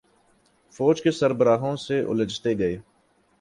فوج کے سربراہوں سے یہ الجھتے گئے۔